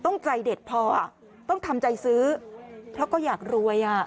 ต้องใจเด็ดพอต้องทำใจซื้อเขาก็อยากรวยอ่ะค่ะ